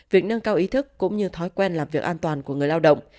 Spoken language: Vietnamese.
việc nâng cao ý thức cũng như thói quen làm việc an toàn của người lao động